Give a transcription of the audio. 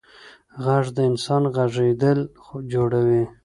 غږ د انسان غږېدل جوړوي.